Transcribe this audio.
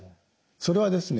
それはですね